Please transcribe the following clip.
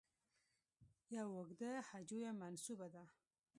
یو اوږده هجویه منسوبه ده.